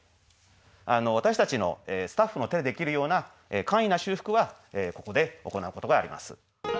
私たちのスタッフの手でできるような簡易な修復はここで行うことがあります。